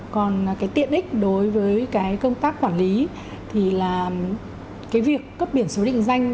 còn cái tiện ích đối với cái công tác quản lý thì là cái việc cấp biển số định danh